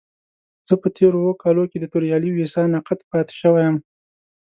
زه په تېرو اوو کالو کې د توريالي ويسا ناقد پاتې شوی يم.